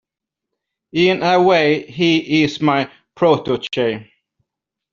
In a way he is my protege.